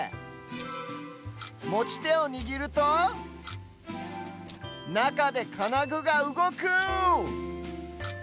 もちてをにぎるとなかでかなぐがうごく！